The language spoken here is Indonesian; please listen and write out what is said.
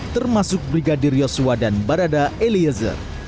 termasuk brigadir yosua dan barada eliezer